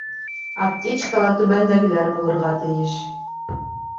Аптечкала түбәндәгеләр булырға тейеш: